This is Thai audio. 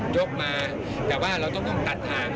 ยกมาแต่ว่าเราต้องตัดทาง